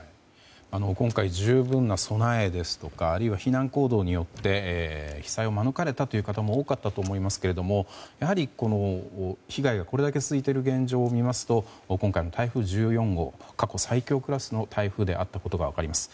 今回、十分な備えですとか避難行動によって被災を免れた方も多かったと思いますけどやはり、被害がこれだけ続いている現状を見ますと今回の台風１４号過去最強クラスの台風であったことが分かります。